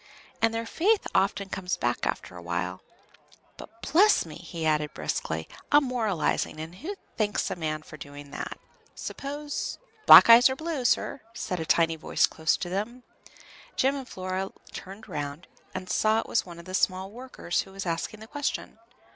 and their faith often comes back after a while. But, bless me!" he added, briskly, "I'm moralizing, and who thanks a man for doing that? Suppose " "Black eyes or blue, sir?" said a tiny voice close to them. Jem and Flora turned round, and saw it was one of the small workers who was asking the question.